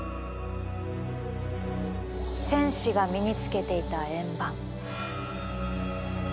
戦士が身につけていた円盤。